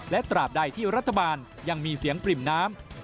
และตราบใดที่รัฐบาลยังมีเสียงปริ่มน้ำ